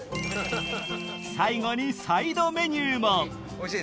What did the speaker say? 最後にサイドメニューもおいしい。